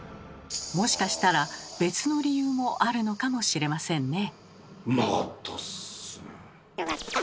もしかしたら別の理由もあるのかもしれませんね。